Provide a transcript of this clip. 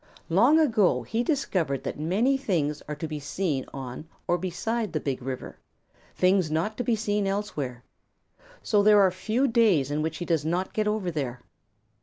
Long ago he discovered that many things are to be seen on or beside the Big River, things not to be seen elsewhere. So there are few clays in which he does not get over there.